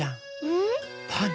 うん？